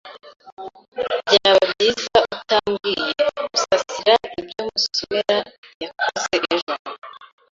Byaba byiza utabwiye Musasira ibyo Musonera yakoze ejo.